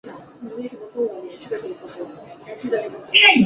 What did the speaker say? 奎德林堡的建筑特色为拥有大片的木质结构房屋。